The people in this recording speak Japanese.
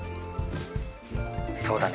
「そうだね。